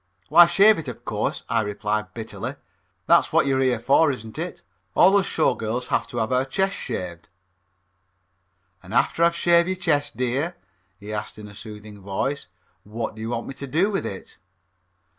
"Why, shave it, of course," I replied bitterly. "That's what you're here for, isn't it? All us Show Girls have got to have our chests shaved." "An' after I've shaved your chest, dear," he asked in a soothing voice, "what do you want me to do with it?"